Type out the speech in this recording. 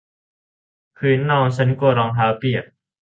พื้นนอง ฉันกลัวรองเท้าเปียก